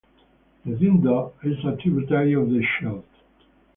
The Dender is a tributary of the Scheldt.